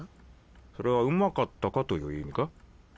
それはうまかったか？という意味か？